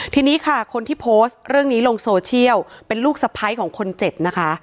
ทีนี้ค่ะคนที่โพสต์เรื่องนี้ลงโซเชียลเป็นลูกสะพ้ายของคนเจ็บนะคะ